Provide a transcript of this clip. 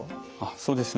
そうですね。